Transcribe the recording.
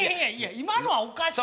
今のはおかしい。